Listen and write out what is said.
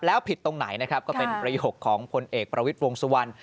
แล้วผิดตรงไหนนะครับก็เป็นประโยคของพลเอกประวิทย์วงสุวรรณ